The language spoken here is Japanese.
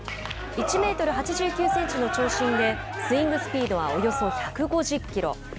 １メートル８９センチの長身でスイングスピードはおよそ１５０キロ。